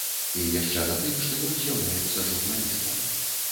І яшчэ на тым, што ён з'яўляецца журналістам.